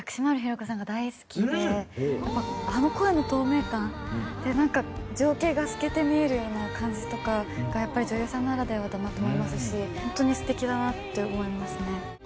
やっぱあの声の透明感でなんか情景が透けて見えるような感じとかがやっぱり女優さんならではだなと思いますし本当に素敵だなって思いますね。